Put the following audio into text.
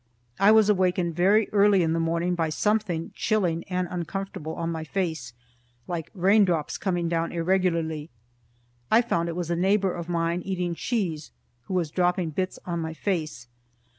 I was awakened very early in the morning by something chilling and uncomfortable on my face, like raindrops coming down irregularly. I found it was a neighbor of mine eating cheese, who was dropping bits on my face.